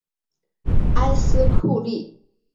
埃斯库利。